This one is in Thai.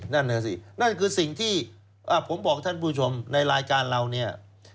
นั่นน่ะสินั่นคือสิ่งที่ผมบอกท่านผู้ชมในรายการเราเนี่ย